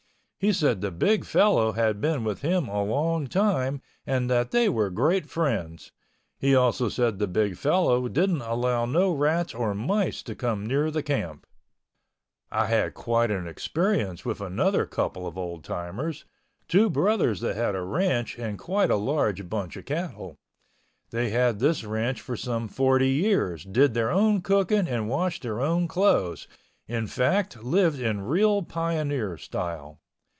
He said the big fellow had been with him a long time and that they were great friends. He also said the big fellow didn't allow no rats or mice to come near the camp. I had quite an experience with another couple of old timers—two brothers that had a ranch and quite a large bunch of cattle. They had this ranch for some forty years, did their own cooking and washed their clothes, in fact, lived in real pioneer style.